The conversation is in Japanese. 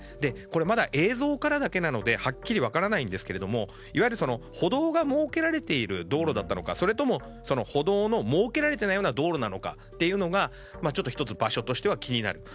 まだ映像からだけなのではっきり分からないんですが歩道が設けられている道路だったのかそれとも歩道の設けられていないような道路なのかというのがちょっと１つ場所としては気になる。